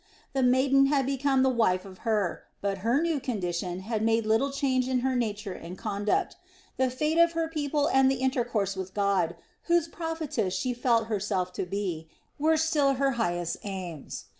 The maiden had become the wife of Hur, but her new condition had made little change in her nature and conduct. The fate of her people and the intercourse with God, whose prophetess she felt herself to be, were still her highest aims.